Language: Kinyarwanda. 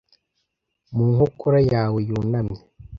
mu nkokora yawe yunamye